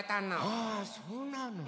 あそうなの。